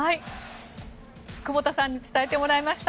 久保田さんに伝えてもらいました。